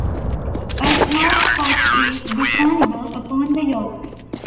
A small spot is discernible upon the yolk.